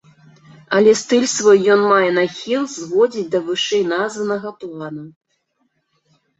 Але стыль свой ён мае нахіл зводзіць да вышэйназванага плана.